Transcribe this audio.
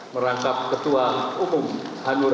merangkap ketua umum hanura